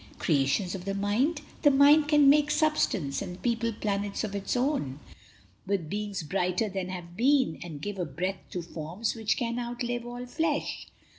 Creations of the mind? The mind can make Substance, and people planets of its own With beings brighter than have been, and give A breath to forms which can outlive all flesh.